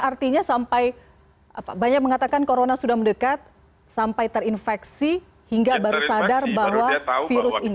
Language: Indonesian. artinya sampai banyak mengatakan corona sudah mendekat sampai terinfeksi hingga baru sadar bahwa virus ini